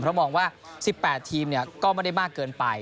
เพราะมองว่า๑๘ทีมก็ไม่ได้มากเกินไป